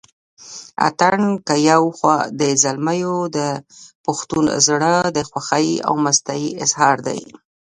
اتڼ که يو خوا د زلميو دپښتون زړه دشوخۍ او مستۍ اظهار دے